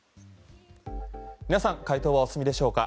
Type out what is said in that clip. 皆さん解答はお済みでしょうか？